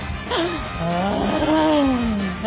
ああ！